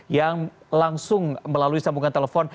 yang langsung melalui sambungan telepon